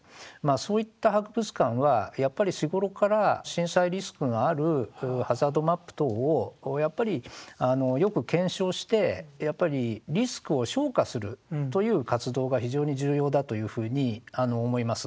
そういった博物館はやっぱり日頃から震災リスクがあるハザードマップ等をやっぱりよく検証してやっぱりリスクを評価するという活動が非常に重要だというふうに思います。